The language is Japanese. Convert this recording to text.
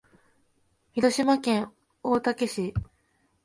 広島県大竹市